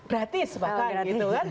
beratis bahkan gitu kan